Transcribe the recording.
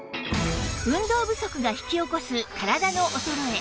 運動不足が引き起こす体の衰え